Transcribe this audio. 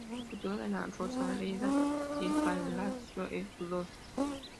El futuro de la Rosaleda y el palacio es dudoso.